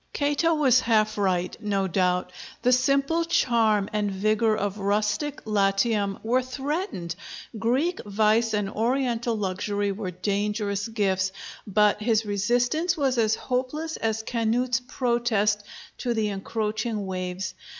Cato was half right, no doubt. The simple charm and vigor of rustic Latium were threatened; Greek vice and Oriental luxury were dangerous gifts: but his resistance was as hopeless as Canute's protest to the encroaching waves.